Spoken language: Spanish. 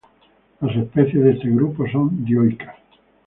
Las especies de este grupo son dioicas.